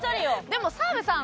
でも澤部さん